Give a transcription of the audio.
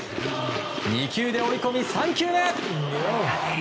２球で追い込み３球目。